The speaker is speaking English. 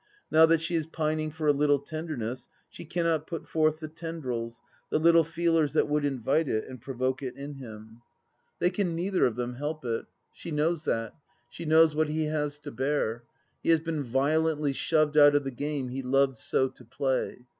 Now that she is pining for a little tenderness she cannot put forth the tendrils, the little feelers that would invite it and provoke it in him. 808 THE LAST DITCH They can neither of them help it. She knows that. She Imows what he has to bear. He has been violently shoved out of the game he loved so to play.